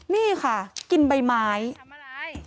นี่ค่ะกินใบไม้